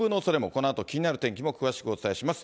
このあと気になるお天気も詳しくお伝えします。